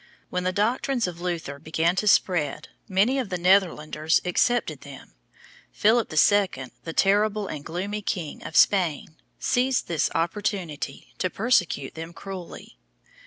When the doctrines of Luther began to spread many of the Netherlanders accepted them. Philip II., the terrible and gloomy king of Spain, seized this opportunity to persecute them cruelly.